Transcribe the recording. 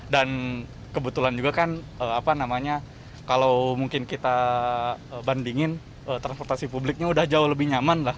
dan kebetulan juga kan kalau mungkin kita bandingin transportasi publiknya udah jauh lebih nyaman lah